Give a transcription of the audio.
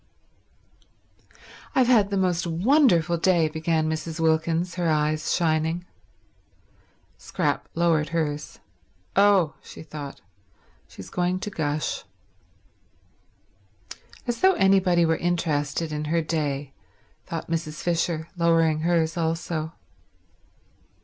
"I've had the most wonderful day," began Mrs. Wilkins, her eyes shining. Scrap lowered hers. "Oh," she thought, "she's going to gush." "As though anybody were interested in her day," thought Mrs. Fisher, lowering hers also.